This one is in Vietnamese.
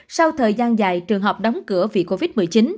sau thời gian dài trường hợp đóng cửa vì covid một mươi chín